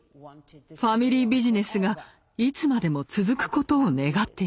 ファミリービジネスがいつまでも続くことを願っていました。